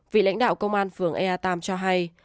vị lãnh đạo công an phường ea tam cho hay